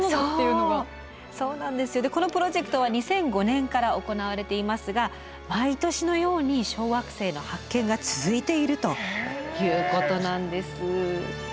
でこのプロジェクトは２００５年から行われていますが毎年のように小惑星の発見が続いているということなんです。